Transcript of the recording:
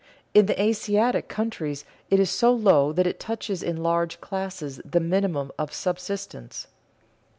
In the Asiatic countries it is so low that it touches in large classes the minimum of subsistence.